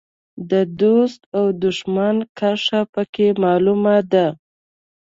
د دوست او دوښمن کرښه په کې معلومه ده.